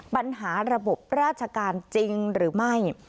ปัญหาระบบราชการจริงหรือไม่